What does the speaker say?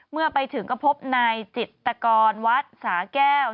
เมื่อไปถึงก็พบนายจิตกรวัดสาแก้ว